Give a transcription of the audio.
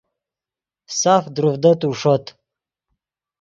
ساف دروڤدتو ݰوت